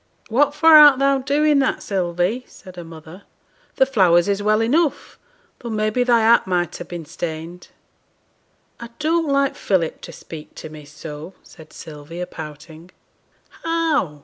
'What for art thou doing that, Sylvie?' said her mother. 'The flowers is well enough, though may be thy hat might ha' been stained.' 'I don't like Philip to speak to me so,' said Sylvia, pouting. 'How?'